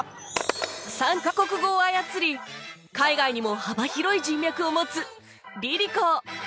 ３カ国語を操り海外にも幅広い人脈を持つ ＬｉＬｉＣｏ